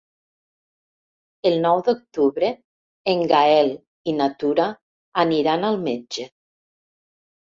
El nou d'octubre en Gaël i na Tura aniran al metge.